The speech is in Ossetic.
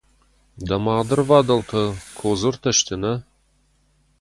Дӕ мады ’рвадӕлтӕ Кодзыртӕ сты, нӕ?